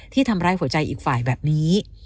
ทำร้ายหัวใจอีกฝ่ายแบบนี้